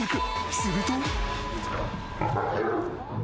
すると。